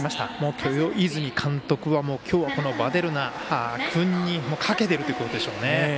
豊泉啓介監督はきょうはヴァデルナ君にかけてるということでしょうね。